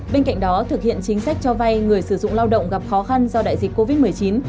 bên cạnh đó thực hiện chính sách cho vay người sử dụng lao động gặp khó khăn do đại dịch covid một mươi chín